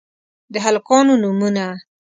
د هلکانو نومونه: